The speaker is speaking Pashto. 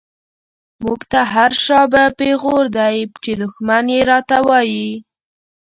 موږ ته هر” شا به” پيغور دی، چی دښمن يې را ته وايې